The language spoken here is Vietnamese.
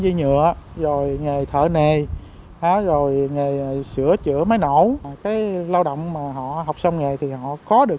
dây nhựa rồi nghề thợ nề rồi nghề sửa chữa máy nổ cái lao động mà họ học xong nghề thì họ có được